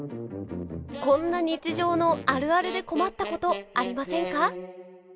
こんな日常のあるあるで困ったことありませんか？